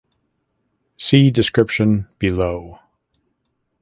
See description below.